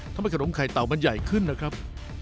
ขนมไข่เต่ามันใหญ่ขึ้นนะครับ